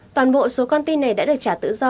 toàn bộ số con tin này đã được trả tự do